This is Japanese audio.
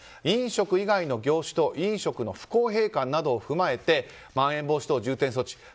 飲食以外の業種と飲食の不公平感などを踏まえてまん延防止等重点措置